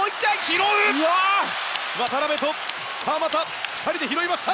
渡邊、川真田２人で拾いました。